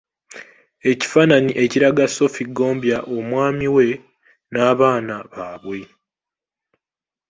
Ekifaananyi ekiraga Sophie Ggombya, omwami we n’abaana baabwe.